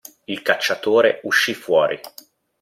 Il cacciatore uscì fuori.